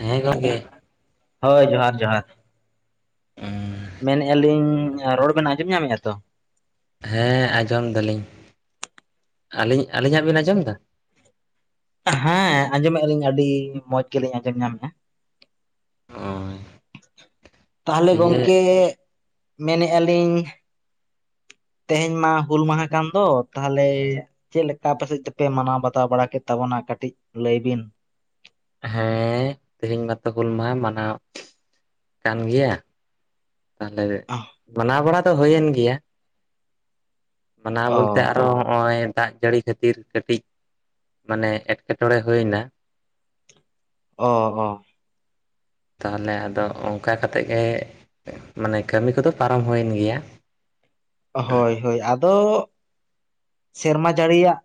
ᱦᱮᱸ ᱜᱚᱝᱠᱮ, ᱦᱳᱭ ᱡᱚᱦᱟᱨ ᱡᱚᱦᱟᱨ ᱢᱮᱱᱮ-ᱟ ᱞᱤᱧ ᱨᱚᱲ ᱵᱮᱱ ᱟᱸ ᱡᱚᱢ ᱧᱟᱢᱮᱜ-ᱟ ᱛᱚ? ᱦᱮᱸ ᱟᱸᱡᱚᱢ ᱫᱟᱞᱤᱧ, ᱟᱹᱞᱤᱧ ᱟᱹᱞᱤᱧᱟᱜ ᱵᱮᱱ ᱟᱸᱡᱚᱢ ᱮᱫᱟ? ᱦᱮᱸ ᱟᱸᱡᱚᱢᱮᱜ-ᱟ ᱞᱤᱧ ᱟᱹᱰᱤ ᱢᱚᱸᱡᱽ ᱜᱮᱞᱤᱧ ᱟᱸᱡᱚᱢ ᱧᱟᱢᱮᱜ-ᱟ᱾ ᱛᱟᱦᱚᱞᱮ ᱜᱚᱝᱠᱮ ᱫᱤᱭᱮ ᱢᱮᱱᱮᱫᱼᱟ ᱞᱤᱧ ᱛᱮᱦᱮᱧ ᱢᱟ ᱦᱩᱞ ᱢᱟᱦᱟ ᱠᱟᱱ ᱫᱚ ᱛᱟᱦᱚᱞᱮ, ᱪᱮᱫ ᱞᱮᱠᱟ ᱟᱯᱮᱥᱮᱫ ᱛᱮᱯᱮ ᱢᱟᱱᱟᱣ ᱵᱟᱛᱟᱣ ᱵᱟᱲᱟ ᱠᱮᱫ ᱛᱟᱵᱚᱱᱟ ᱠᱟᱹᱴᱤᱡ ᱞᱟᱹᱭ ᱵᱤᱱ? ᱦᱮᱸ ᱛᱮᱦᱮᱧ ᱢᱟᱛᱚ ᱦᱩᱞ ᱢᱟᱦᱟ ᱢᱟᱱᱟᱣ ᱠᱟᱱ ᱜᱮᱭᱟ᱾ ᱛᱟᱦᱞᱮ ᱚ ᱢᱟᱱᱟᱣ ᱵᱟᱲᱟ ᱫᱚ ᱦᱩᱭᱮᱱ ᱜᱮᱭᱟ᱾ ᱢᱟᱱᱟᱣ ᱵᱚᱞᱛᱮ ᱟᱨᱚ ᱚ ᱱᱚᱜᱼᱚᱭ ᱫᱟᱜ ᱡᱟᱹᱲᱤ ᱠᱷᱟᱹᱛᱤᱨ ᱠᱟᱹᱴᱤᱡ ᱢᱟᱱᱮ ᱮᱴᱠᱮᱴᱚᱬᱮ ᱦᱩᱭ ᱮᱱᱟ, ᱚ ᱚ ᱛᱟᱦᱚᱞᱮ ᱟᱫᱚ ᱚᱱᱠᱟ ᱠᱟᱛᱮᱫ ᱜᱮ ᱢᱟᱱᱮ ᱠᱟᱹᱢᱤ ᱠᱚᱫᱚ ᱯᱟᱨᱚᱢ ᱦᱩᱭᱮᱱ ᱜᱮᱭᱟ᱾ ᱦᱳᱭ ᱦᱳᱭ ᱟᱫᱚ ᱥᱮᱨᱢᱟ ᱡᱟᱹᱲᱤᱭᱟᱜ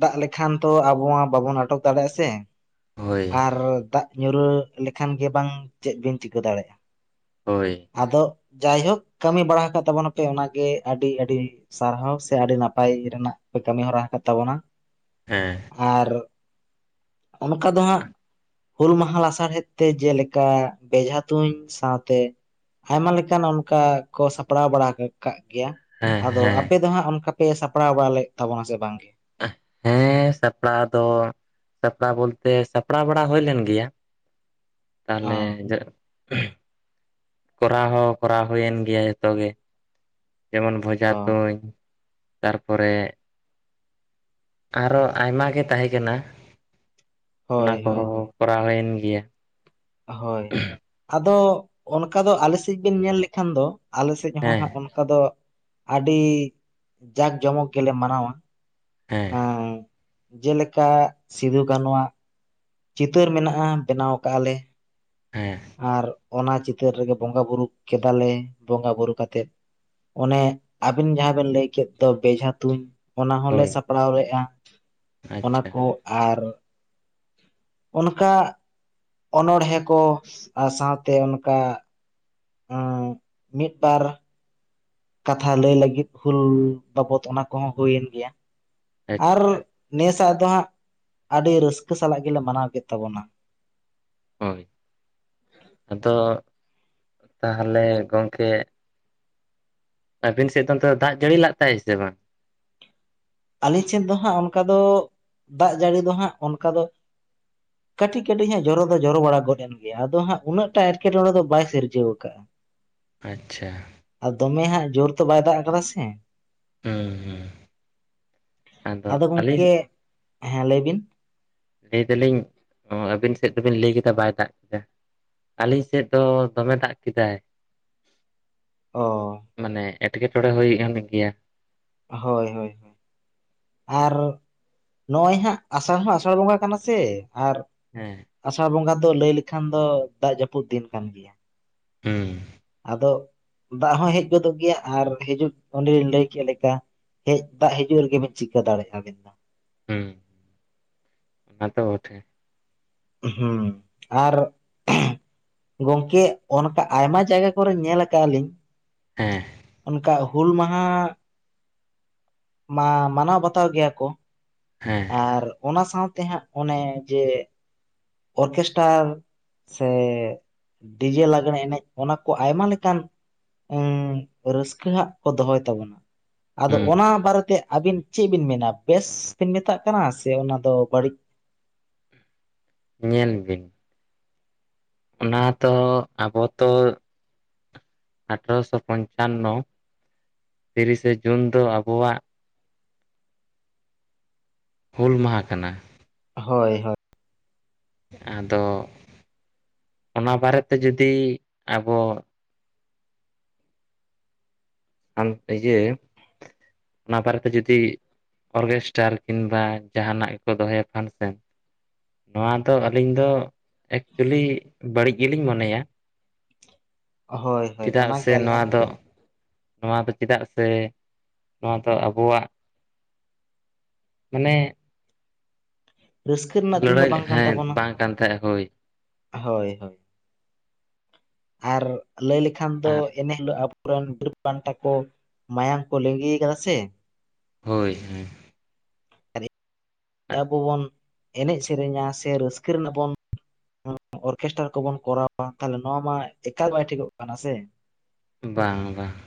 ᱫᱟᱜ ᱞᱮᱠᱷᱟᱱ ᱛᱚ ᱟᱵᱚ ᱢᱟ ᱵᱟᱵᱚᱱ ᱟᱴᱚᱠ ᱫᱟᱲᱮᱭᱟᱜᱼᱟ ᱥᱮ᱾ ᱦᱳᱭ ᱟᱨ ᱫᱟᱜ ᱧᱩᱨ ᱞᱮᱠᱷᱟᱱ ᱜᱮ ᱵᱟᱝ ᱪᱮᱫ ᱵᱤᱱ ᱪᱤᱠᱟᱹ ᱫᱟᱲᱮᱭᱟᱜᱼᱟ? ᱦᱳᱭ᱾ ᱟᱫᱚ ᱡᱟᱭᱦᱩᱠ ᱠᱟᱹᱢᱤ ᱵᱟᱲᱟ ᱟᱠᱟᱫ ᱛᱟᱵᱚᱱᱟᱯᱮ ᱚᱱᱟᱜᱮ ᱟᱹᱰᱤ ᱟᱹᱰᱤ ᱥᱟᱨᱦᱟᱣ ᱥᱮ ᱥᱮ ᱟᱹᱰᱤ ᱱᱟᱯᱟᱭ ᱨᱮᱱᱟᱜ ᱯᱮ ᱠᱟᱹᱢᱤ ᱦᱚᱨᱟ ᱟᱠᱟᱫ ᱛᱟᱵᱚᱱᱟ᱾ ᱦᱮᱸ ᱟᱨ ᱚᱱᱠᱟ ᱫᱚ ᱦᱟᱸᱜ ᱦᱩᱞ ᱢᱟᱦᱟ ᱞᱟᱥᱟᱨᱦᱮᱫ ᱛᱮ ᱡᱮᱞᱮᱠᱟ ᱵᱮᱡᱷᱟ ᱛᱩᱧ ᱥᱟᱶᱛᱮ ᱟᱭᱢᱟ ᱞᱮᱠᱟᱱ ᱚᱱᱠᱟ ᱠᱚ ᱥᱟᱯᱲᱟᱣ ᱵᱟᱲᱟ ᱠᱟᱜ ᱜᱮᱭᱟ᱾ ᱦᱮᱸ ᱟᱫᱚ ᱦᱮᱸ ᱟᱯᱮ ᱫᱚ ᱦᱟᱸᱜ ᱚᱱᱠᱟᱯᱮ ᱥᱟᱯᱲᱟᱣ ᱵᱟᱲᱟ ᱞᱮᱫ ᱛᱟᱵᱚᱱᱟ ᱥᱮ ᱵᱟᱝᱜᱮ? ᱦᱮᱸ ᱥᱟᱯᱲᱟᱣ ᱫᱚ ᱥᱟᱯᱲᱟᱣ ᱵᱚᱞᱛᱮ ᱥᱟᱯᱲᱟᱣ ᱵᱟᱲᱟ ᱦᱩᱭ ᱞᱮᱱ ᱜᱮᱭᱟ ᱚ ᱛᱟᱦᱚᱞᱮ ᱡᱟ ᱠᱚᱨᱟᱣ ᱦᱚᱸ ᱠᱚᱨᱟᱣ ᱦᱩᱭᱮᱱ ᱜᱮᱭᱟ ᱡᱚᱛᱚ ᱜᱮ᱾ ᱡᱮᱢᱚᱱ ᱵᱷᱚᱡᱟ ᱚ ᱛᱩᱧ ᱛᱟᱨᱯᱚᱨᱮ, ᱟᱨᱚ ᱟᱭᱢᱟ ᱜᱮ ᱛᱟᱦᱮᱸ ᱠᱟᱱᱟ, ᱚᱱᱟ ᱦᱳᱭ ᱦᱳᱭ ᱠᱚᱦᱚᱸ ᱦᱳᱭ ᱠᱚᱨᱟᱣ ᱦᱩᱭᱮᱱ ᱜᱮᱭᱟ᱾ ᱦᱳᱭ ᱟᱫᱚ ᱚᱱᱠᱟ ᱫᱚ ᱟᱞᱮ ᱥᱮᱫ ᱵᱤᱱ ᱧᱮᱞ ᱞᱮᱠᱷᱟᱱ ᱫᱚ ᱟᱞᱮ ᱥᱮᱫ ᱦᱚᱸ ᱦᱮᱸ ᱦᱟᱸᱜ ᱚᱱ ᱠᱟ ᱫᱚ ᱟᱹᱰᱤ ᱡᱟᱠ ᱡᱚᱢᱚᱠ ᱜᱮᱞᱮ ᱢᱟᱱᱟᱣᱟ᱾ ᱦᱮᱸ ᱟᱸ ᱡᱮᱞᱮᱠᱟ ᱥᱤᱫᱩ ᱠᱟᱱᱩᱣᱟᱜ, ᱪᱤᱛᱟᱹᱨ ᱢᱮᱱᱟᱜ-ᱟ ᱵᱮᱱᱟᱣ ᱟᱠᱟᱜ ᱟᱞᱮ ᱦᱮᱸ ᱟᱨ ᱚᱱᱟ ᱪᱤᱛᱟᱹᱨ ᱨᱮᱜᱮ ᱵᱚᱸᱜᱟ ᱵᱩᱨᱩ ᱠᱮᱫᱟᱞᱮ ᱵᱚᱸᱜᱟ ᱵᱩᱨᱩ ᱠᱟᱛᱮᱜ, ᱚᱱᱮ ᱟᱵᱤᱱ ᱡᱟᱦᱟᱸ ᱵᱤᱱ ᱞᱟᱹᱭ ᱠᱮᱫ ᱫᱚ ᱵᱮᱡᱷᱟ ᱛᱩᱧ ᱚᱱᱟ ᱦᱚᱸᱞᱮ ᱦᱳᱭ ᱥᱟᱯᱲᱟᱣ ᱞᱮᱜ-ᱟ ᱚᱱᱟ ᱟᱪᱪᱷᱟ ᱠᱚ ᱟᱨ ᱚᱱᱠᱟ ᱚᱱᱚᱬᱦᱮ ᱠᱚ ᱟᱨ ᱥᱟᱶᱛᱮ ᱚᱱᱠᱟ ᱚ ᱢᱤᱫ ᱵᱟᱨ ᱠᱟᱛᱷᱟ ᱞᱟᱹᱭ ᱞᱟᱹᱜᱤᱫ ᱦᱩᱞ ᱵᱟᱵᱚᱫ ᱚᱱᱟ ᱠᱚᱦᱚᱸ ᱦᱩᱭᱮᱱ ᱜᱮᱭᱟ᱾ ᱟᱨ ᱟᱪᱪᱷᱟ ᱱᱮᱥᱟᱜ ᱫᱚ ᱦᱟᱸᱜ ᱟᱹᱰᱤ ᱨᱟᱹᱥᱠᱟᱹ ᱥᱟᱞᱟᱜ ᱜᱮᱞᱮ ᱢᱟᱱᱟᱣ ᱠᱮᱫ ᱛᱟᱵᱚᱱᱟ᱾ ᱦᱳᱭ ᱟᱫᱚ ᱛᱟᱦᱚᱞᱮ ᱜᱚᱝᱠᱮ ᱟᱵᱤᱱ ᱥᱮᱫ ᱫᱚ ᱚᱱᱛᱮ ᱫᱚ ᱫᱟᱜ ᱡᱟᱹᱲᱤ ᱞᱟᱜ ᱛᱟᱭ ᱥᱮ ᱵᱟᱝ? ᱟᱹᱞᱤᱧ ᱪᱷᱮᱫ ᱫᱚ ᱦᱟᱸᱜ ᱚᱱᱠᱟ ᱫᱚ ᱫᱟᱜ ᱡᱟᱹᱲᱤ ᱫᱚ ᱦᱟᱸᱜ ᱚᱱᱠᱟ ᱫᱚ ᱠᱟᱹᱴᱤᱡ ᱠᱟᱹᱴᱤᱡ ᱦᱟᱸᱜ ᱡᱚᱨᱚ ᱫᱚ ᱡᱚᱨᱚ ᱵᱟᱲᱟ ᱜᱚᱫ ᱮᱱ ᱜᱮᱭᱟ ᱟᱫᱚ ᱦᱟᱸᱜ ᱩᱱᱟᱹᱜ ᱴᱟᱜ ᱮᱴᱠᱮᱴᱚᱬᱮ ᱫᱚ ᱵᱟᱭ ᱥᱤᱨᱡᱟᱹᱣ ᱠᱟᱜ-ᱟ᱾ [inaudible] ᱟᱪᱪᱷᱟ ᱟᱨ ᱫᱚᱢᱮ ᱦᱟᱸᱜ ᱡᱳᱨ ᱛᱚ ᱵᱟᱭ ᱫᱟᱜ ᱟᱠᱟᱫᱟ ᱥᱮ, ᱦᱩ-ᱦᱩ ᱾ ᱟᱫᱚ ᱜᱚᱝᱠᱮ, ᱦᱮᱸ ᱞᱟᱹᱭ ᱵᱤᱱ? ᱞᱟᱹᱭ ᱮᱫᱟᱞᱤᱧ ᱟᱹᱵᱤᱱ ᱥᱮᱫ ᱫᱚᱵᱤᱱ ᱞᱟᱹᱭ ᱠᱮᱫᱟ ᱵᱟᱭ ᱫᱟᱜ ᱠᱮᱫᱟ? ᱟᱹᱞᱤᱧ ᱥᱮᱫ ᱫᱚ ᱫᱚᱢᱮ ᱫᱟᱜ ᱠᱮᱫᱟᱭ ᱾ ᱚ ᱾ ᱢᱟᱱᱮ, ᱮᱴᱠᱮᱴᱚᱬᱮ ᱦᱳᱭ ᱠᱟᱱ ᱜᱮᱭᱟ ᱾ ᱦᱳᱭ- ᱦᱳᱭ ᱾ ᱟᱨ ᱱᱚᱜ-ᱚᱭ ᱦᱟᱸᱜ ᱟᱥᱟᱲ ᱦᱚᱸ ᱟᱥᱟᱲ ᱵᱚᱸᱜᱟ ᱠᱟᱱᱟ ᱥᱮ ᱟᱨ ᱦᱮᱸ ᱾ ᱟᱥᱟᱲ ᱵᱚᱸᱜᱟ ᱫᱚ ᱞᱟᱹᱭ ᱞᱮᱠᱷᱟᱱ ᱫᱚ ᱫᱟᱜ ᱡᱟᱹᱯᱩᱫ ᱫᱤᱱ ᱠᱟᱱ ᱜᱮᱭᱟ ᱾ ᱦᱩ ᱾ ᱟᱫᱚ ᱫᱟᱜ ᱦᱚᱸ ᱦᱮᱡ ᱜᱚᱫᱚᱜ ᱜᱮᱭᱟ ᱟᱨ ᱦᱤᱡᱩᱜ ᱚᱸᱰᱮᱧ ᱞᱟᱹᱭ ᱠᱮᱫ ᱞᱮᱠᱟ ᱾ ᱦᱮᱡ ᱫᱟᱜ ᱦᱤᱡᱩᱜ ᱨᱮᱜᱮ ᱵᱤᱱ ᱪᱤᱠᱟᱹ ᱫᱟᱲᱮᱭᱟᱜ-ᱟᱵᱤᱱ ᱫᱚ? ᱦᱩ ᱛᱟ ᱛᱚ ᱵᱚᱴᱷᱮ ᱾ ᱤᱷᱦ ᱟᱨ ᱷᱚᱦᱦ ᱾ ᱜᱚᱝᱠᱮ ᱚᱱᱠᱟ ᱟᱭᱢᱟ ᱡᱟᱭᱜᱟ ᱠᱚᱨᱮ ᱧᱮᱞ ᱠᱟᱜ-ᱟ ᱞᱤᱧ ᱦᱮᱸ ᱾ ᱚᱱᱠᱟ ᱦᱩᱞ ᱢᱟᱦᱟ ᱢᱟ, ᱢᱟᱱᱟᱣ ᱵᱟᱛᱟᱣ ᱜᱮᱭᱟ ᱠᱚ ᱾ ᱦᱮᱸ ᱾ ᱟᱨ ᱚᱱᱟ ᱥᱟᱶᱛᱮ ᱦᱟᱸᱜ ᱚᱱᱮ ᱡᱮ ᱚᱨᱠᱮᱥᱴᱟᱨ ᱥᱮ ᱰᱤᱡᱮ ᱞᱟᱜᱽᱬᱮ ᱮᱱᱮᱡ ᱚᱱᱟᱠᱚ ᱟᱭᱢᱟ ᱞᱮᱠᱟᱱ ᱩᱸ ᱨᱟᱹᱥᱠᱟᱹ ᱦᱟᱸᱜ ᱠᱚ ᱫᱚᱦᱚᱭ ᱛᱟᱵᱚᱱᱟ ᱟᱫᱚ ᱦᱩᱸ ᱚᱱᱟ ᱵᱟᱨᱮᱛᱮ ᱟᱵᱤᱱ ᱪᱤᱫ ᱵᱤᱱ ᱢᱮᱱᱟ ᱵᱮᱹᱥ ᱵᱤᱱ ᱢᱮᱛᱟᱜ ᱠᱟᱱᱟ ᱥᱮ ᱚᱱᱟᱫᱚ ᱵᱟᱹᱲᱤᱡ? ᱧᱮᱞ ᱵᱤᱱ ᱚᱱᱟ ᱫᱚ ᱟᱵᱚ ᱛᱚ ᱟᱴᱷᱟᱨᱚᱥᱚ ᱯᱚᱧᱪᱟᱱ-ᱱᱚ ᱛᱤᱨᱤᱥᱮ ᱡᱩᱱ ᱫᱚ ᱟᱵᱚᱣᱟᱜ ᱦᱩᱞ ᱢᱟᱦᱟᱸ ᱠᱟᱱᱟ ᱾ ᱦᱳᱭ -ᱦᱳᱭ ᱾ ᱟᱫᱚ ᱚᱱᱟ ᱵᱟᱨᱮᱛᱮ ᱡᱩᱫᱤ ᱟᱵᱚ ᱟᱢ ᱤᱭᱟᱹ ᱚᱱᱟ ᱵᱟᱨᱮᱛᱮ ᱡᱩᱫᱤ ᱚᱨᱜᱮᱥᱴᱟᱨ ᱤᱱᱵᱟ ᱡᱟᱦᱟᱱᱟᱜ ᱜᱮᱠᱚ ᱫᱚᱦᱚᱭᱟ ᱯᱷᱟᱱ ᱥᱮᱱ ᱾ ᱱᱚᱣᱟ ᱫᱚ ᱟᱹᱞᱤᱧ ᱫᱚ ᱮᱠᱪᱩᱞᱤ ᱵᱟᱹᱲᱤᱡ ᱜᱮᱞᱤᱧ ᱢᱚᱱᱮᱭᱟ ᱾ ᱦᱳᱭ ᱾ ᱪᱮᱫᱟᱜ ᱥᱮ ᱱᱚᱣᱟ ᱫᱚ ᱱᱚᱣᱟ ᱫᱚ ᱪᱮᱫᱟᱜ ᱥᱮ ᱱᱚᱣᱟ ᱫᱚ ᱟᱵᱳᱣᱟᱜ ᱢᱟᱱᱮ ᱨᱟᱹᱥᱠᱟᱹ ᱨᱮᱱᱟᱜ ᱫᱤᱱ ᱫᱚ ᱞᱟᱹᱲᱦᱟᱹᱭ ᱵᱟᱝ ᱠᱟᱱ ᱦᱮᱸ ᱛᱟᱵᱚᱱᱟ ᱵᱟᱝ ᱠᱟᱱ ᱛᱟᱦᱮᱸᱫ ᱦᱳᱭ ᱾ ᱦᱳᱭ ᱦᱳᱭ, ᱟᱨ ᱞᱟᱹᱭ ᱞᱮᱠᱷᱟᱱ ᱫᱚ ᱟᱨ ᱮᱱᱮᱡ ᱫᱚ ᱟᱵ ᱟᱵᱚᱨᱮᱱ ᱵᱤᱨ ᱵᱟᱱᱴᱟ ᱠᱚ ᱢᱟᱭᱟᱝ ᱠᱚ ᱞᱤᱸᱜᱤ ᱟᱠᱟᱫᱟ ᱥᱮ ᱦᱳᱭ, ᱦᱳᱭ ᱾ ᱟᱵᱳ ᱵᱚᱱ ᱮᱱᱮᱡ ᱥᱮᱹᱨᱮᱹᱧᱟ ᱥᱮ ᱨᱟᱹᱥᱠᱟᱹ ᱨᱮᱱᱟᱜ ᱵᱚᱱ ᱚᱨᱠᱮᱥᱴᱟᱨ ᱠᱚᱵᱚᱱ ᱠᱚᱨᱟᱣᱟ ᱛᱟᱞᱦᱮ ᱱᱚᱣᱟ ᱢᱟ ᱮᱠᱟᱞ ᱵᱟᱭ ᱴᱷᱤᱠᱚᱜ ᱠᱟᱱᱟ ᱥᱮ? ᱵᱟᱝ -ᱵᱟᱝ ᱾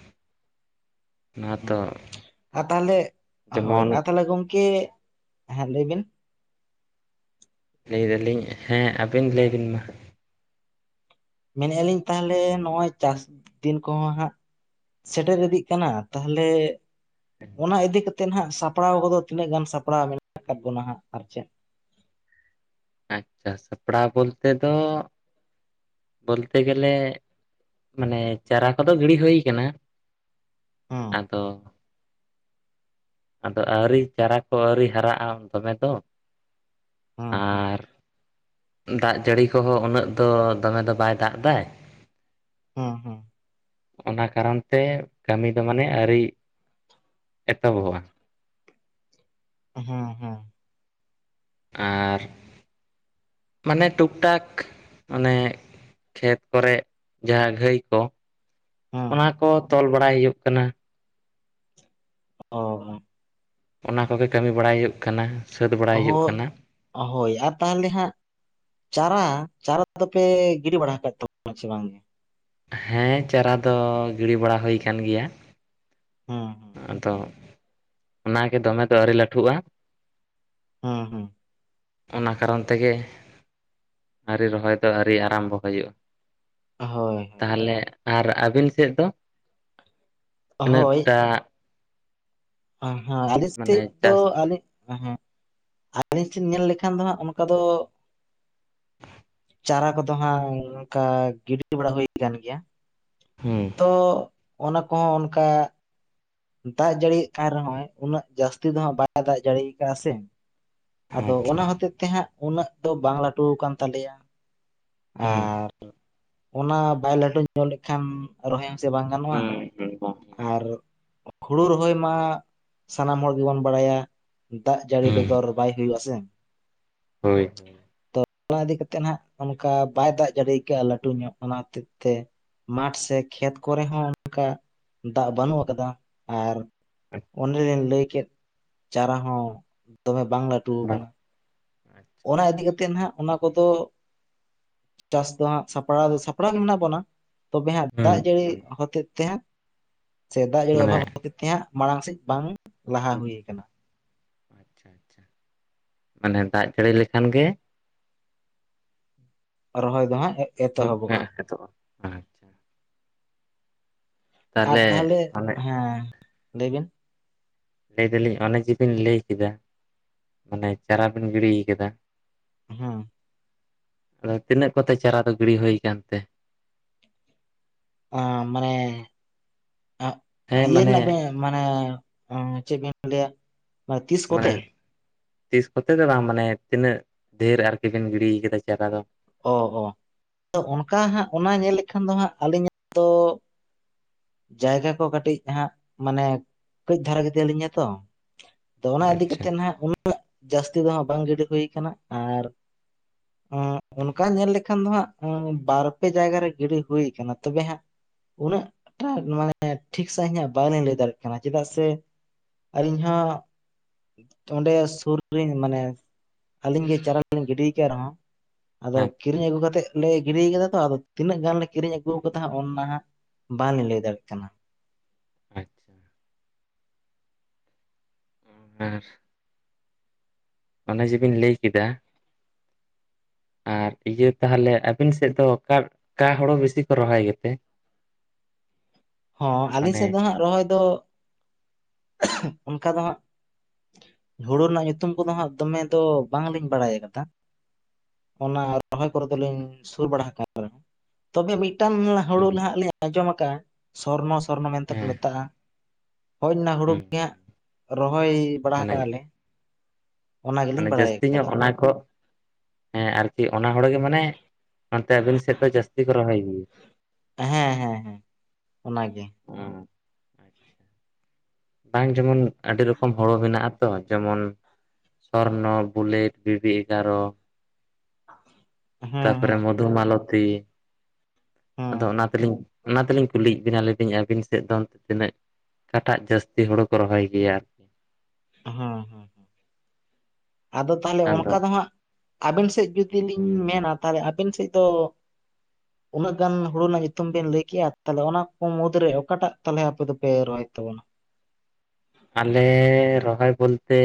ᱟᱨ ᱛᱟᱦᱞᱮ ᱦᱳᱭ ᱡᱮᱢᱚᱱ ᱟᱨ ᱛᱟᱦᱞᱮ ᱜᱚᱝᱠᱮ, ᱦᱮᱸ ᱞᱟᱹᱭ ᱵᱤᱱ? ᱞᱟᱹᱭ ᱫᱟᱞᱤᱧ ᱦᱮᱸ, ᱟᱵᱮᱱ ᱞᱟᱹᱭ ᱵᱤᱱ ᱢᱟ ᱾ ᱢᱮᱱᱮᱜ ᱟᱹᱞᱤᱧ ᱛᱟᱦᱚᱞᱮ ᱱᱚᱜᱼᱚᱭ ᱪᱟᱥ ᱫᱤᱱ ᱠᱚᱦᱚᱸ ᱦᱟᱸᱜ ᱥᱮᱴᱮᱨ ᱤᱫᱤᱜ ᱠᱟᱱᱟ, ᱛᱟᱦᱚᱞᱮ ᱚᱱᱟ ᱤᱫᱤ ᱠᱟᱛᱮᱜ ᱱᱟᱦᱟᱜ ᱥᱟᱯᱲᱟᱣ ᱠᱚᱫᱚ ᱛᱤᱱᱟᱹᱜ ᱜᱟᱱ ᱥᱟᱯᱲᱟᱣ ᱢᱮᱱᱟᱜ ᱟᱠᱟᱫ ᱵᱚᱱᱟ ᱦᱟᱸᱜ ᱟᱨ ᱪᱮᱫ? ᱟᱪᱪᱷᱟ, ᱥᱟᱯᱲᱟᱣ ᱵᱚᱞᱛᱮ ᱫᱚ ᱵᱚᱞᱛᱮ ᱜᱮᱞᱮ, ᱢᱟᱱᱮ ᱪᱟᱨᱟ ᱠᱚᱫᱚ ᱜᱤᱲᱤ ᱦᱩᱭ ᱠᱟᱱᱟ, ᱦᱩᱸ ᱟᱫᱚ ᱟᱫᱚ ᱟᱹᱣᱨᱤ ᱪᱟᱨᱟ ᱠᱚ ᱟᱹᱣᱨᱤ ᱦᱟᱨᱟᱜᱼᱟ ᱫᱚᱢᱮ ᱫᱚ, ᱦᱩᱸ ᱦᱩᱸ᱾ ᱟᱨ ᱫᱟᱜ ᱡᱟᱹᱲᱤ ᱠᱚᱦᱚᱸ ᱩᱱᱟᱹᱜ ᱫᱚ ᱫᱚᱢᱮ ᱫᱚ ᱵᱟᱭ ᱫᱟᱜ ᱮᱫᱟᱭ, ᱦᱩᱸ ᱦᱩᱸ᱾ ᱚᱱᱟ ᱠᱟᱨᱚᱱ ᱛᱮ ᱠᱟᱢᱤ ᱫᱚ ᱢᱟᱱᱮ ᱟᱹᱣᱨᱤ, ᱮᱛᱚᱦᱚᱵᱚᱜᱼᱟ᱾ ᱦᱩᱸ ᱦᱩᱸ᱾ ᱟᱨ, ᱢᱟᱱᱮ ᱴᱩᱠ ᱴᱟᱠ ᱢᱟᱱᱮ ᱠᱷᱮᱛ ᱠᱚᱨᱮ ᱡᱟᱦᱟᱸ ᱜᱷᱟᱹᱭ ᱠᱚ, ᱦᱩᱸ᱾ ᱚᱱᱟ ᱠᱚ ᱛᱚᱞ ᱵᱟᱲᱟᱭ ᱦᱩᱭᱩᱜ ᱠᱟᱱᱟ᱾ ᱚᱻ᱾ ᱚᱱᱟ ᱠᱚᱜᱮ ᱠᱟᱢᱤ ᱵᱟᱲᱟᱭ ᱦᱩᱭᱩᱜ ᱠᱟᱱᱟ᱾ ᱥᱟᱹᱛ ᱵᱟᱲᱟᱭ ᱦᱳ, ᱦᱩᱭᱩᱜ ᱠᱟᱱᱟ ᱦᱳᱭ ᱟᱨ ᱛᱟᱦᱞᱮ ᱦᱟᱸᱜ ᱪᱟᱨᱟ! ᱪᱟᱨᱟ [inaudible] ᱯᱮ ᱜᱤᱰᱤ ᱵᱟᱲᱟ ᱟᱠᱟᱫ ᱛᱟᱵᱚᱱᱟ ᱪᱮ ᱵᱟᱝ‌ ᱜᱮ? ᱦᱮᱸ ᱪᱟᱨᱟ ᱫᱚ ᱜᱤᱰᱤ ᱵᱟᱲᱟ ᱦᱳᱭ ᱠᱟᱱ ᱜᱮᱭᱟ᱾ ᱦᱩᱸ ᱦᱩᱸ᱾ ᱟᱫᱚ, ᱚᱱᱟ ᱜᱮ ᱫᱚᱢᱮ ᱫᱚ ᱟᱹᱣᱨᱤ ᱞᱟᱴᱷᱩᱜᱼᱟ᱾ ᱦᱩᱸᱦᱩᱸ᱾ ᱚᱱᱟ ᱠᱟᱨᱚᱱ ᱛᱮᱜᱮ, ᱟᱹᱣᱨᱤ ᱨᱚᱦᱚᱭ ᱫᱚ ᱟᱹᱣᱨᱤ ᱟᱨᱟᱢᱵᱚ ᱦᱩᱭᱩᱜᱼᱟ᱾ ᱦᱳᱭ ᱦᱳᱭ᱾ ᱛᱟᱦᱚᱞᱮ ᱟᱨ ᱟᱵᱤᱱ ᱥᱮᱫ ᱫᱚ, ᱛᱤᱱᱟᱹᱜ ᱴᱟᱜ? ᱟᱸ ᱦᱟᱸ ᱟᱞᱤᱧ ᱢᱟᱱᱮ ᱥᱮᱫ ᱫᱚ ᱪᱟᱥ ᱟᱞᱤ ᱮᱦᱮᱸᱜ, ᱟᱞᱤᱧ ᱴᱷᱮᱱ ᱧᱮᱞ ᱞᱮᱠᱷᱟᱱ ᱫᱚ ᱦᱟᱸᱜ ᱚᱝᱠᱟ ᱫᱚ ᱪᱟᱨᱟ ᱠᱚᱫᱚ ᱦᱟᱸᱜ ᱚᱱᱠᱟ ᱜᱤᱰᱤ ᱵᱟᱲᱟ ᱦᱩᱭ ᱠᱟᱱ ᱜᱮᱭᱟ᱾ ᱦᱩᱸ᱾ ᱛᱚ ᱚᱱᱟ ᱠᱚ ᱦᱚᱸ ᱚᱱᱠᱟ ᱫᱟᱜ ᱡᱟᱹᱲᱤᱭᱮᱜ ᱠᱟᱱ ᱨᱮᱦᱚᱸᱭ, ᱩᱱᱟᱹᱜ ᱡᱟᱥᱛᱤ ᱫᱚ ᱦᱟᱸᱜ ᱵᱟᱭ ᱫᱟᱜ ᱡᱟᱲᱤ ᱠᱟᱜ-ᱟ ᱥᱮ, ᱟᱫᱚ ᱟᱪᱪᱷᱟ ᱚᱱᱟ ᱦᱚᱛᱮᱡ ᱛᱮ ᱦᱟᱸᱜ ᱩᱱᱟᱹᱜ ᱫᱚ ᱵᱟᱝ ᱞᱟᱴᱩ ᱠᱟᱱ ᱛᱟᱞᱮᱭᱟ᱾ ᱦᱩᱸ᱾ ᱟᱨ ᱚᱱᱟ ᱵᱟᱭ ᱞᱟᱴᱩ ᱧᱚᱜ ᱞᱮᱠᱷᱟᱱ, ᱨᱚᱦᱚᱭ ᱦᱚᱸ ᱥᱮ ᱵᱟᱝ ᱜᱟᱱᱚᱜ-ᱟ᱾ ᱦᱩᱸ ᱦᱩᱸ ᱟᱨ ᱦᱩᱲᱩ ᱨᱚᱦᱚᱭ ᱢᱟ, ᱥᱟᱱᱟᱢ ᱦᱚᱲ ᱜᱮ ᱵᱚᱱ ᱵᱟᱲᱟᱭᱟ, ᱫᱟᱜ ᱡᱟᱲᱤ ᱦᱩᱸ ᱵᱮᱜᱚᱨ ᱵᱟᱭ ᱦᱩᱭᱩᱜ-ᱟ ᱥᱮ᱾ ᱦᱳᱭ᱾ ᱛᱚ ᱚᱱᱟ ᱤᱫᱤ ᱠᱟᱛᱮᱫ ᱦᱟᱸᱜ ᱚᱝᱠᱟ ᱵᱟᱭ ᱫᱟᱜ ᱡᱟᱲᱤ ᱠᱟᱜ-ᱟ ᱞᱟᱴᱩ ᱧᱚᱜ, ᱚᱱᱟ ᱦᱚᱛᱮᱡ ᱛᱮ ᱢᱟᱴᱷ ᱥᱮ ᱠᱷᱮᱛ ᱠᱚᱨᱮ ᱦᱚᱸ ᱚᱱᱠᱟ, ᱫᱟᱜ ᱵᱟᱱᱩᱜ ᱟᱠᱟᱫᱟ᱾ ᱟᱨ, ᱚᱱᱮ ᱞᱤᱧ ᱞᱟᱹᱭ ᱠᱮᱫ ᱪᱟᱨᱟ ᱦᱚᱸ ᱫᱚᱢᱮ ᱵᱟᱝ ᱞᱟ ᱴᱩ ᱟᱠᱟᱱᱟ ᱾ ᱟᱪᱪᱷᱟ ᱚᱱᱟ ᱤᱫᱤ ᱠᱟᱛᱮᱫ ᱦᱟᱸᱜ ᱚᱱᱟ ᱠᱚᱫᱚ ᱪᱟᱥ ᱫᱚ ᱦᱟᱸᱜ ᱥᱟᱯᱲᱟᱣ ᱫᱚ ᱥᱟᱯᱲᱟᱣ ᱜᱮ ᱢᱮᱱᱟᱜ ᱵᱚᱱᱟ᱾ ᱛᱚᱵᱮ ᱦᱟᱸᱜ ᱦᱩᱸ ᱫᱟᱜ ᱡᱟᱹᱲᱤ ᱦᱩᱸ ᱦᱚᱛᱮ ᱛᱮ ᱦᱟᱸᱜ ᱾ ᱥᱮ ᱫᱟᱜ ᱡᱟᱹᱲᱤ ᱢᱟᱱᱮ ᱚᱵᱷᱟᱵᱽ ᱠᱷᱟᱛᱤᱨ ᱛᱮ ᱦᱟᱸᱜ, ᱢᱟᱲᱟᱝ ᱥᱮᱫ ᱵᱟᱝ ᱞᱟᱦᱟ ᱦᱩᱭ ᱟᱠᱟᱱᱟ ᱾ ᱟᱪᱪᱷᱟ ᱟᱪᱪᱷᱟ ᱾ ᱢᱟᱱᱮ ᱫᱟᱜ ᱡᱟᱹᱲᱤ ᱞᱮᱠᱷᱟᱱ ᱜᱮ ᱨᱚᱦᱚᱭ ᱫᱚ ᱦᱟᱸᱜ ᱮᱛᱚᱦᱚᱵᱚᱜ-ᱟ ᱾ ᱮᱛᱚᱜᱼᱟ ᱾ ᱟᱨ ᱛᱟᱦᱚᱞᱮ ᱚᱱᱮ ᱦᱮᱸ ᱞᱟᱹᱭ ᱵᱤᱱ ᱞᱟᱹᱭ ᱫᱟᱞᱤᱧ ᱚᱱᱮ ᱡᱮ ᱵᱤᱱ ᱞᱟᱹᱭ ᱠᱮᱫᱟ ᱢᱟᱱᱮ ᱪᱟᱨᱟ ᱵᱤᱱ ᱜᱤᱲᱤ ᱠᱟᱫᱟᱢ ᱾ ᱦᱮᱸ ᱾ ᱟᱫᱚ ᱛᱤᱱᱟᱹᱜ ᱠᱚ ᱛᱮ ᱪᱟᱨᱟ ᱫᱚ ᱜᱤᱲᱤ ᱦᱩᱭ ᱟᱠᱟᱱ ᱛᱮ ᱾ ᱟ ᱢᱟᱱᱮ ᱦᱮᱸ ᱤᱭᱟᱹ ᱢᱟᱱᱮ ᱵᱮᱱ ᱢᱟᱱᱮ ᱪᱮᱫ ᱵᱤᱱ ᱞᱟᱹᱭᱟ ᱛᱤᱥ ᱢᱟᱱᱮ ᱠᱚᱛᱮ ᱛᱤᱥ ᱠᱚᱛᱮ ᱫᱚ ᱵᱟᱝ ᱢᱟᱱᱮ ᱛᱤᱱᱟᱹᱜ ᱰᱷᱮᱨ ᱟᱨᱠᱤ ᱵᱮᱱ ᱜᱤᱲᱤ ᱠᱟᱫᱟ ᱰᱟᱨᱟ ᱫᱚ ᱾ ᱚ ᱚ ᱚᱱᱠᱟ ᱦᱟᱸᱜ ᱚᱱᱟ ᱧᱮᱞ ᱞᱮᱠᱷᱟᱱ ᱫᱚ ᱦᱟᱸᱜ ᱟᱹᱞᱤᱧᱟᱜ ᱫᱚ ᱡᱟᱭᱜᱟ ᱠᱚ ᱠᱟᱹᱴᱤᱡ ᱦᱟᱸᱜ ᱢᱟᱱᱮ ᱠᱟᱹᱡ ᱫᱷᱟᱨᱟ ᱜᱮᱛᱟ ᱞᱤᱧᱟ ᱛᱚ ᱾ ᱟᱫᱚ ᱚᱱᱟ ᱤᱫᱤ ᱟᱪᱪᱷᱟ ᱠᱟᱛᱮᱜ ᱦᱟᱸᱜ ᱩᱱᱟᱹᱜ ᱡᱟᱹᱥᱛᱤ ᱫᱚ ᱦᱟᱸᱜ ᱵᱟᱝ ᱜᱤᱰᱤ ᱦᱩᱭ ᱠᱟᱱᱟ ᱟᱨ ᱚᱱᱠᱟ ᱧᱮᱞ ᱞᱮᱠᱷᱟᱱ ᱫᱚ ᱦᱟᱸᱜ ᱵᱟᱨ ᱯᱮ ᱡᱟᱭᱜᱟ ᱨᱮ ᱜᱤᱰᱤ ᱦᱩᱭ ᱟᱠᱟᱱᱟ ᱛᱚᱵᱮ ᱦᱟᱸᱜ ᱩᱱᱟᱹᱜ ᱴᱟ ᱢᱟᱱᱮ ᱴᱷᱤᱠ ᱥᱟᱺᱦᱤᱡ ᱧᱟᱹᱜ ᱵᱟᱝ ᱞᱤᱧ ᱞᱟᱹᱭ ᱫᱟᱲᱮᱭᱟᱜ ᱠᱟᱱᱟ ᱪᱮᱫᱟᱜ ᱥᱮ ᱟᱨ ᱤᱧ ᱦᱚᱸ ᱚᱸᱰᱮ ᱥᱩᱨ ᱨᱮᱧ ᱢᱟᱱᱮ ᱟᱹᱞᱤᱧ ᱜᱮ ᱪᱟᱨᱟ ᱞᱤᱧ ᱜᱤᱰᱤ ᱠᱟᱜ ᱨᱮᱦᱚᱸ ᱟᱫᱚ ᱟᱪᱪᱷᱟ ᱠᱤᱨᱤᱧ ᱟᱹᱜᱩ ᱠᱟᱛᱮ ᱞᱮ ᱜᱤᱰᱤ ᱠᱟᱫᱟ ᱛᱚ, ᱟᱫᱚ ᱛᱤᱱᱟᱹᱜ ᱜᱟᱱᱞᱮ ᱠᱤᱨᱤᱧ ᱟᱹᱜᱩᱣᱟ ᱠᱟᱫᱟ ᱦᱟᱸᱜ ᱚᱱᱟ ᱦᱟᱸᱜ ᱵᱟᱝ ᱞᱤᱧ ᱞᱟᱹᱭ ᱫᱟᱲᱮᱜ ᱠᱟᱱᱟ ᱾ ᱟᱪᱪᱷᱟ ᱦᱮᱸ ᱾ ᱚᱱᱮ ᱡᱮ ᱵᱤᱱ ᱞᱟᱹᱭ ᱠᱮᱫᱟ [unintelligible] ᱟᱨ ᱤᱭᱟᱹ ᱛᱟᱦᱚᱞᱮ ᱟᱵᱤᱱ ᱥᱮᱫ ᱫᱚ ᱚᱠᱟ ᱠᱟ ᱦᱳᱲᱳ ᱵᱤᱥᱤ ᱠᱚ ᱨᱚᱦᱚᱭ ᱜᱮᱛᱮ? ᱦᱚᱸ ᱟᱹᱞᱤᱧ ᱢᱟᱱᱮ ᱥᱮᱫ ᱫᱚ ᱦᱟᱸᱜ ᱨᱚᱦᱚᱭ ᱫᱚ ᱚᱱᱠᱟ ᱫᱚ ᱦᱟᱸᱜ ᱦᱩᱲᱩ ᱨᱮᱱᱟᱜ ᱧᱩᱛᱩᱢ ᱠᱚᱫᱚ ᱦᱟᱸᱜ ᱫᱚᱢᱮ ᱫᱚ ᱵᱟᱝ ᱞᱤᱧ ᱵᱟᱲᱟᱭ ᱟᱠᱟᱫᱟ᱾ ᱚᱱᱟ ᱨᱚᱦᱚᱭ ᱠᱚᱨᱮ ᱫᱚ ᱟᱪᱪᱷᱟ ᱞᱤᱧ ᱥᱩᱨ ᱵᱟᱲᱟ ᱟᱠᱟᱱ ᱨᱮᱦᱚᱸ, ᱛᱚᱵᱮ ᱢᱤᱫᱴᱟᱝ ᱦᱩᱲᱩ ᱦᱩᱸ ᱦᱟᱸᱜ ᱞᱤᱧ ᱟᱸᱡᱚᱢ ᱟᱠᱟᱫ-ᱟ ᱾ ᱥᱚᱨᱱᱚ, ᱥᱚᱨᱱᱚ ᱢᱮᱱ ᱛᱮᱠᱚ ᱦᱮᱸ ᱢᱮᱛᱟᱜ-ᱟ, ᱦᱳᱭ ᱚᱱᱟ ᱦᱩᱲᱩ ᱦᱩᱸ ᱜᱮ ᱦᱟᱸᱜ ᱦᱩᱸ ᱨᱚᱦᱚᱭ ᱵᱟᱲᱟ ᱢᱟᱱᱮ ᱟᱠᱟ ᱞᱮ ᱾ ᱢᱟᱱᱮ ᱡᱟᱹᱥᱛᱤ ᱧᱚᱜ ᱚᱱᱟ ᱠᱚ ᱦᱮᱸ ᱟᱨᱠᱤ ᱚᱱᱟ ᱦᱩᱲᱩ ᱜᱮ ᱢᱟᱱᱮ ᱱᱚᱛᱮ ᱟᱹᱵᱤᱱ ᱥᱮᱫ ᱫᱚ ᱡᱟᱹᱥᱛᱤ ᱠᱚ ᱨᱚᱦᱚᱭ ᱜᱮᱭᱟ ᱾ ᱦᱮᱸ, ᱦᱮᱸ, ᱦᱮᱸ ᱚᱱᱟ ᱜᱮ ᱾ ᱚ ᱟᱪᱪᱷᱟ ᱵᱟᱝ ᱡᱮᱢᱚᱱ ᱟᱹᱰᱤ ᱨᱚᱠᱚᱢ ᱦᱳᱲᱳ ᱢᱮᱱᱟᱜ ᱟᱛᱚ ᱡᱮᱢᱚᱱ ᱥᱚᱨᱱᱚ, ᱵᱩᱞᱮᱴ, ᱵᱤᱵᱤ ᱮᱜᱟᱨᱚ ᱦᱮᱸ ᱦᱮᱸ ᱛᱟᱯᱚᱨᱮ ᱦᱮᱸ ᱢᱚᱫᱷᱩ ᱢᱟᱞᱚᱛᱤ ᱟᱫᱚ ᱚᱱᱟ ᱦᱮᱸ ᱛᱤᱞᱤᱧ ᱚᱱᱟ ᱛᱤᱞᱤᱧ ᱠᱩᱞᱤᱭᱮᱫ ᱵᱤᱱᱟ ᱞᱟᱹᱭ ᱫᱟᱹᱧ ᱟᱹᱵᱤᱱ ᱥᱮᱫ ᱫᱚ ᱚᱱᱛᱮ ᱛᱤᱱᱟᱹᱜ ᱠᱟᱴᱟᱜ ᱡᱟᱹᱥᱛᱤ ᱦᱩᱲᱩ ᱠᱚ ᱨᱚᱦᱚᱭ ᱜᱮᱭᱟ᱾ ᱦᱮᱸ, ᱦᱮᱸ ᱟᱫᱚ ᱛᱟᱦᱚᱞᱮ ᱟᱫᱚ ᱚᱱᱠᱟ ᱫᱚ ᱦᱟᱸᱜ ᱟᱵᱤᱱ ᱥᱮᱫ ᱡᱩᱫᱤ ᱞᱤᱧ ᱢᱮᱱᱟ ᱛᱟᱦᱚᱞᱮ ᱟᱵᱤᱱ ᱥᱮᱫ ᱫᱚ ᱩᱱᱟᱹᱜ ᱜᱟᱱ ᱦᱩᱲᱩ ᱨᱮᱱᱟᱜ ᱧᱩᱛᱩᱢ ᱵᱤᱱ ᱞᱟᱹᱭ ᱠᱮᱜᱼᱟ, ᱛᱟᱦᱚᱞᱮ ᱚᱱᱟ ᱠᱚ ᱢᱩᱫᱽ ᱨᱮ ᱚᱠᱟᱴᱟᱜ ᱛᱟᱦᱚᱞᱮ ᱟᱯᱮ ᱫᱚᱯᱮ ᱨᱚᱦᱚᱭᱮᱫ ᱛᱟᱵᱚᱱᱟ ᱾ ᱟᱞᱮ ᱨᱚᱦᱚᱭ ᱵᱚᱞᱛᱮ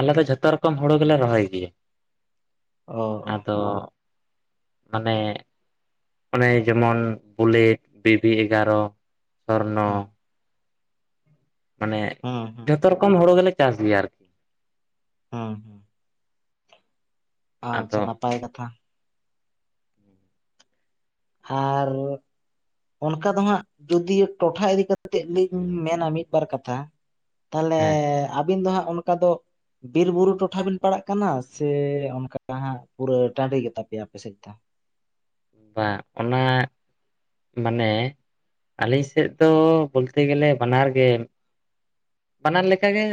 ᱟᱞᱮ ᱫᱚ ᱡᱷᱚᱛᱚ ᱨᱚᱠᱚᱢ ᱦᱩᱲᱩ ᱜᱮᱞᱮ ᱨᱚᱦᱚᱭ ᱜᱮᱭᱟ᱾ ᱚ ᱚ ᱟᱫᱚ ᱢᱟᱱᱮ ᱚᱱᱮ ᱡᱮᱢᱚᱱ ᱱ ᱵᱩᱞᱮᱴ ᱵᱤᱵᱤ ᱮᱜᱟᱨᱚ ᱥᱚᱨᱱᱚ ᱦᱮᱸ ᱢᱟᱱᱮ ᱦᱩᱸ, ᱦᱩᱸ ᱾ ᱡᱚᱛᱚ ᱨᱚᱠᱚᱢ ᱦᱩᱲᱩ ᱜᱮᱞᱮ ᱪᱟᱥ ᱜᱤᱭᱟ ᱟᱨᱠᱤ ᱾ ᱦᱩᱸ, ᱦᱩᱸ ᱾ ᱟᱪᱪᱷᱟ ᱟᱫᱚ ᱱᱟᱯᱟᱭ ᱠᱟᱛᱷᱟ ᱾ ᱟᱨ ᱚᱱᱠᱟ ᱫᱚ ᱦᱟᱸᱜ ᱡᱩᱫᱤ ᱴᱚᱴᱷᱟ ᱤᱫᱤ ᱠᱟᱛᱮᱫ ᱞᱤᱧ ᱢᱮᱱᱟ ᱢᱤᱫ ᱵᱟᱨ ᱠᱟᱛᱷᱟ ᱛᱟᱦᱚᱞᱮ ᱦᱮᱸ ᱟᱹᱵᱤᱱ ᱫᱚ ᱦᱟᱸᱜ ᱚᱱᱠᱟ ᱫᱚ ᱵᱤᱨ ᱵᱩᱨᱩ ᱴᱚᱴᱷᱟ ᱵᱤᱱ ᱯᱟᱲᱟᱜ ᱠᱟᱱᱟ ᱥᱮ ᱚᱱᱠᱟ ᱦᱟᱸᱜ ᱯᱩᱨᱟᱹ ᱴᱟᱺᱰᱤ ᱜᱮ ᱛᱟᱯᱮᱭᱟ ᱟᱯᱮ ᱥᱮᱫ ᱫᱚ? ᱵᱟᱝ ᱚᱱᱟ ᱢᱟᱱᱮ ᱟᱹᱞᱤᱧ ᱥᱮᱫ ᱫᱚ ᱵᱚᱞᱛᱮ ᱜᱮᱞᱮ ᱵᱟᱱᱟᱨ ᱜᱮ ᱵᱟᱱᱟᱨ ᱞᱮᱠᱟ ᱜᱮ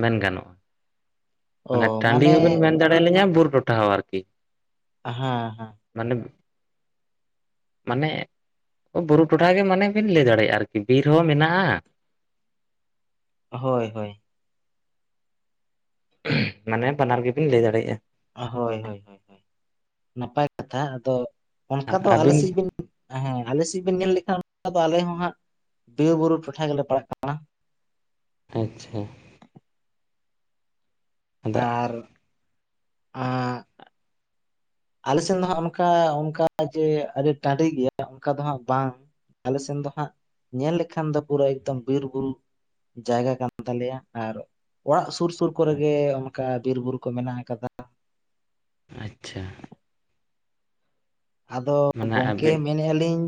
ᱢᱮᱱ ᱜᱟᱱᱚᱜᱼᱟ ᱾ ᱢᱟᱱᱮ ᱴᱟᱺᱰᱤ ᱦᱚᱸ ᱵᱤᱱ ᱢᱮᱱ ᱫᱟᱲᱮ ᱟᱞᱤᱧᱟ ᱵᱩᱨᱩ ᱴᱚᱴᱷᱟ ᱦᱚᱸ ᱟᱨᱠᱤ ᱾ ᱦᱮᱸ, ᱦᱮᱸ ᱾ ᱢᱟᱱᱮ ᱢᱟᱱᱮ ᱵᱩᱨᱩ ᱴᱚᱴᱷᱟ ᱜᱮ ᱢᱟᱱᱮ ᱵᱤᱱ ᱞᱟᱹᱭ ᱫᱟᱲᱮᱭᱟᱜᱼᱟ ᱟᱨᱠᱤ ᱵᱤᱨ ᱦᱚᱸ ᱢᱮᱱᱟᱜᱼᱟ᱾ ᱦᱳᱭ, ᱦᱳᱭ ᱾ ᱢᱟᱱᱮ ᱵᱟᱱᱟᱨ ᱜᱮᱵᱤᱱ ᱞᱟᱹᱭ ᱫᱟᱲᱮᱭᱟᱜᱼᱟ ᱾ ᱦᱳᱭ, ᱦᱳᱭ, ᱦᱳᱭ ᱱᱟᱯᱟᱭ ᱠᱟᱛᱷᱟ ᱟᱫᱚ ᱚᱱᱠᱟ ᱫᱚ ᱟᱞᱮ ᱟᱹᱵᱤᱱ ᱥᱮᱫ ᱵᱤᱱ ᱦᱮᱸ ᱟᱞᱮ ᱥᱮᱫ ᱵᱤᱱ ᱧᱮᱞ ᱞᱮᱠᱷᱟᱱ ᱫᱚ᱾ ᱟᱞᱮ ᱦᱚᱸ ᱦᱟᱸᱜ ᱵᱤᱨ ᱵᱩᱨᱩ ᱴᱚᱴᱷᱟ ᱜᱮᱞᱮ ᱯᱟᱲᱟᱜ ᱠᱟᱱᱟ᱾ ᱟᱪᱪᱷᱟ ᱾ ᱟᱫᱚ ᱟᱨ ᱟᱞᱮ ᱥᱮᱱ ᱫᱚ ᱦᱟᱸᱜ ᱚᱱᱠᱟ, ᱚᱱᱠᱟ ᱡᱮ ᱟᱹᱰᱤ ᱴᱟᱺᱰᱤ ᱜᱮᱭᱟ ᱚᱱᱠᱟ ᱫᱚ ᱦᱟᱸᱜ ᱵᱟᱝ ᱟᱞᱮ ᱥᱮᱱ ᱫᱚ ᱦᱟᱸᱜ ᱧᱮᱞ ᱞᱮᱠᱷᱟᱱ ᱫᱚ ᱯᱩᱨᱟᱹ ᱮᱠᱫᱚᱢ ᱵᱤᱨ ᱵᱩᱨᱩ ᱡᱟᱭᱜᱟ ᱠᱟᱱ ᱛᱟᱞᱮᱭᱟ ᱟᱨ ᱚᱲᱟᱜ ᱥᱩᱨ, ᱥᱩᱨ ᱠᱚᱨᱮ ᱜᱮ ᱚᱱᱠᱟ ᱵᱤᱨ ᱵᱩᱨᱩ ᱠᱚ ᱢᱮᱱᱟᱜ ᱟᱠᱟᱫᱟ᱾ ᱟᱪᱪᱷᱟ ᱾ ᱟᱫᱚ ᱢᱟᱱᱮ ᱜᱚᱝᱠᱮ ᱟᱹᱵᱤᱱ ᱢᱮᱱᱮᱫ ᱟᱹᱞᱤᱧ,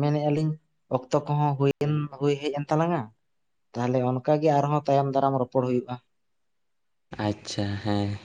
ᱢᱮᱱᱮᱫ ᱟᱹᱞᱤᱧ ᱚᱠᱛᱚ ᱠᱚᱦᱚᱸ ᱦᱩᱭᱮᱱ ᱦᱩᱭ ᱦᱮᱡ ᱮᱱ ᱛᱟᱞᱟᱝᱼᱟ᱾ ᱛᱟᱦᱚᱞᱮ ᱚᱱᱠᱟ ᱜᱮ ᱟᱨᱦᱚᱸ ᱛᱟᱭᱚᱢ ᱫᱟᱨᱟᱢ ᱨᱚᱯᱚᱲ ᱦᱩᱭᱩᱜᱼᱟ ᱾ ᱟᱪᱪᱷᱟ ᱦᱮᱸ ᱾